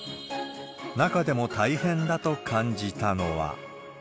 中でも大変だと感じたのは。